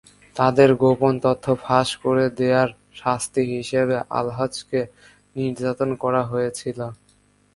তাদের গোপন তথ্য ফাঁস করে দেওয়ার শাস্তি হিসেবে আলহাজ্বকে নির্যাতন করা হয়েছিল।